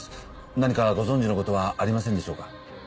何かご存じのことはありませんでしょうか？